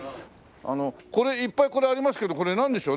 いっぱいこれありますけどこれなんでしょう？